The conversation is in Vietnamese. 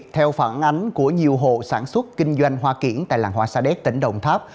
theo phản ánh của nhiều hộ sản xuất kinh doanh hoa kiển tại làng hoa sa đéc tỉnh đồng tháp